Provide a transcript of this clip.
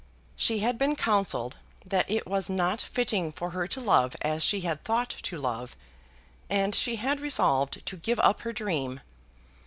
"She had been counselled that it was not fitting for her to love as she had thought to love, and she had resolved to give up her dream.